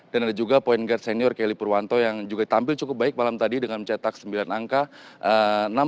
dan ada juga point guard senior kelly purwanto yang juga tampil cukup baik malam tadi dengan mencetak sembilan angka